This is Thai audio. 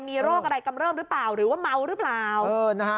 มีโรคอะไรกำเริบหรือเปล่าหรือว่าเมาหรือเปล่า